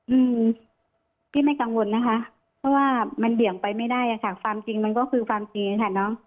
อืมพี่ไม่กังวลนะคะเพราะว่ามันเบี่ยงไปไม่ได้อ่ะค่ะความจริงมันก็คือความจริงค่ะเนอะ